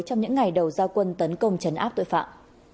trong những ngày đầu gia quân tấn công chấn áp tội phạm